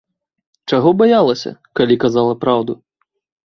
Чаго баялася, калі казала праўду?